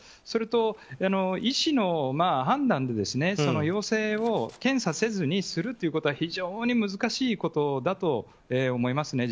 それと、医師の判断で陽性を検査せずにするということは非常に難しいことだと思います。